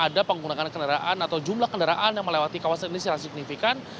ada penggunaan kendaraan atau jumlah kendaraan yang melewati kawasan ini secara signifikan